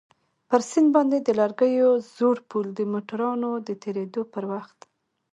پر سيند باندى د لرګيو زوړ پول د موټرانو د تېرېدو پر وخت.